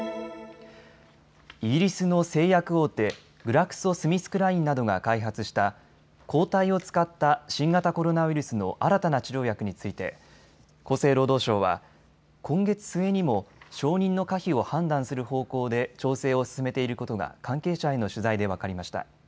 イギリスの製薬大手、グラクソ・スミスクラインなどが開発した抗体を使った新型コロナウイルスの新たな治療薬について厚生労働省は今月末にも承認の可否を判断する方向で調整を進めていることが関係者への取材で分かりました。